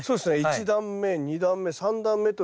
１段目２段目３段目とですね